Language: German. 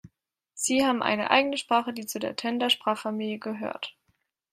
Sie haben eine eigene Sprache, die zu der Tenda-Sprachfamilie gehört.